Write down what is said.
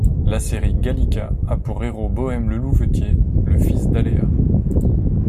La série Gallica a pour héros Bohem le louvetier, le fils d'Aléa.